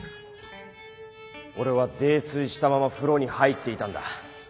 俺は泥酔したまま風呂に入っていたんだ。